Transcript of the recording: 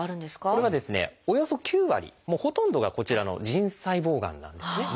これはおよそ９割もうほとんどがこちらの腎細胞がんなんですね。